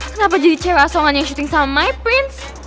kenapa jadi cewek asongan yang syuting sama my prince